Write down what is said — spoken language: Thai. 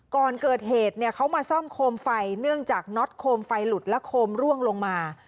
ก่อนเกิดเหตุเนี่ยเขามาซ่อมโคมไฟเนื่องจากน็อตโคมไฟหลุดและโคมร่วงลงมา